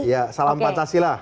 iya salam pancasila